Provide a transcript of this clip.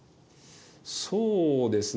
そうですね